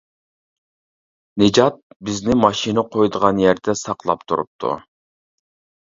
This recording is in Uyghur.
نىجات بىزنى ماشىنا قويىدىغان يەردە ساقلاپ تۇرۇپتۇ.